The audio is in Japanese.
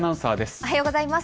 おはようございます。